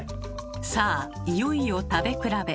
さあいよいよ食べ比べ。